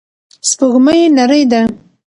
سپوږمۍ نرۍ ده.